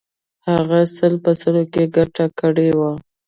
هغه سل په سلو کې ګټه کړې وه.